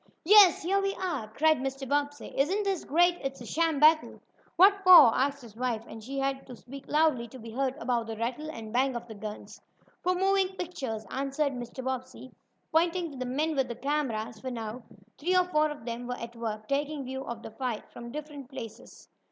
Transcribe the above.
"Yes, here we are!" cried Mr. Bobbsey. "Isn't this great? It's a sham battle." "What for?" asked his wife, and she had to speak loudly to be heard above the rattle and bang of the guns. "For moving pictures," answered Mr. Bobbsey, pointing to the men with the cameras, for now three or four of them were at work, taking views of the "fight" from different places.